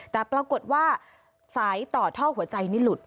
แต่ปรากฏว่าสายต่อท่อหัวใจนี่หลุด